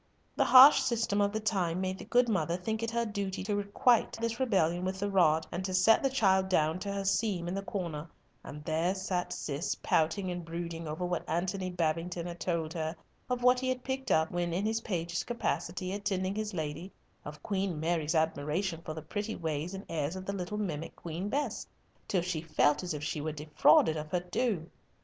The harsh system of the time made the good mother think it her duty to requite this rebellion with the rod, and to set the child down to her seam in the corner, and there sat Cis, pouting and brooding over what Antony Babington had told her of what he had picked up when in his page's capacity, attending his lady, of Queen Mary's admiration of the pretty ways and airs of the little mimic Queen Bess, till she felt as if she were defrauded of her due.